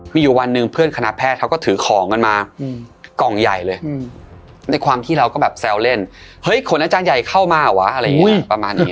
มีอยู่วันหนึ่งเพื่อนคณะแพทย์เขาก็ถือของกันมากล่องใหญ่เลยในความที่เราก็แบบแซวเล่นเฮ้ยขนอาจารย์ใหญ่เข้ามาเหรอวะอะไรอย่างนี้ประมาณนี้